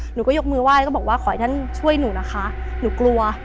หนูก็ยกมือไหว้ก็บอกว่าขอให้ท่านช่วยหนูนะคะหนูกลัว